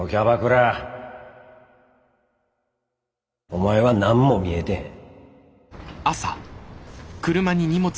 お前は何も見えてへん。